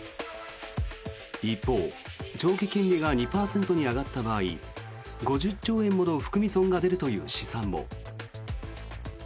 一方、長期金利が２％に上がった場合５０兆円もの含み損が出るという試算も。